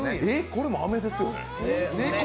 これも飴ですよね？